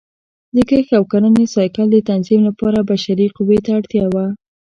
د کښت او کرنې سایکل د تنظیم لپاره بشري قوې ته اړتیا وه